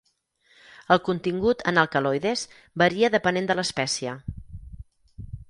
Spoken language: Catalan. El contingut en alcaloides varia depenent de l'espècie.